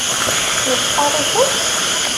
Yextaṛ-itent?